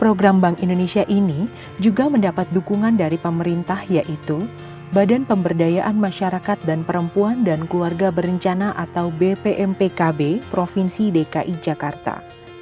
program bank indonesia ini juga mendapat dukungan dari pemerintah yaitu badan pemberdayaan masyarakat dan perempuan dan keluarga berencana atau bpmpkb provinsi dki jakarta